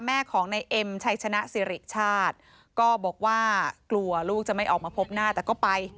แม่ของในเอ็มชัยชนะสิริชาติก็บอกว่ากลัวลูกจะไม่ออกมาพบหน้าแต่ก็ไป